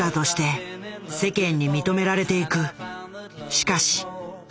しかし。